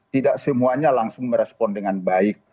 tidak semuanya langsung merespon dengan baik